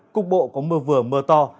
cục bộ có mưa vừa mưa to